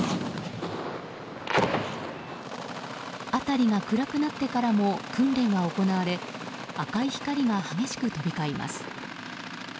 辺りが暗くなってからも訓練は行われ赤い光が激しく飛び交います。